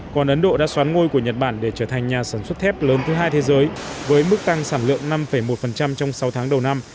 còn ấn độ đã xoán ngôi của nhật bản để trở thành nhà sản xuất thép lớn thứ hai thế giới với mức tăng sản lượng năm một trong sáu tháng đầu năm